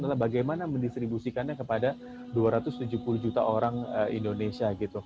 adalah bagaimana mendistribusikannya kepada dua ratus tujuh puluh juta orang indonesia